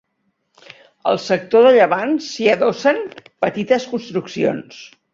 Al sector de llevant s'hi adossen petites construccions.